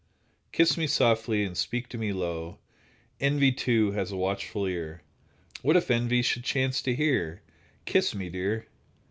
Kiss me softly, and speak to me low, Envy, too, has a watchful ear; What if Envy should chance to hear? Kiss me dear!